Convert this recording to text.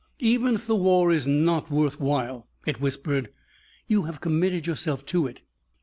"Even if the war is not worth while," it whispered, "you have committed yourself to it.